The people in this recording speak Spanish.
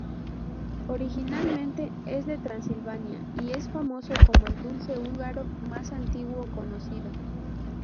Originalmente es de Transilvania, y es famoso como el dulce húngaro más antiguo conocido.